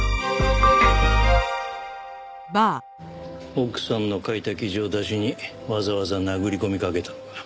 奥さんの書いた記事をダシにわざわざ殴り込みかけたのか。